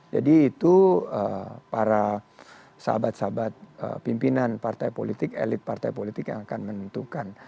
jadi itu para sahabat sahabat pimpinan partai politik elit partai politik yang akan menentukan